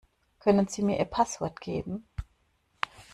Können sie mir ihr Passwort geben?